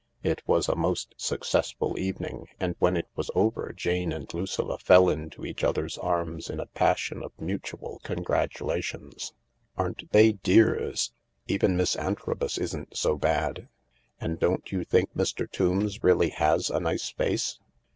It was a most successful evening, and when it was over Jane and Lucilla fell into each other's arms in a passion of mutual congratulation. " Aren't they dears ? Even Miss Antrobus isn't so bad. And don't you think Mr. Tombs really has a nice face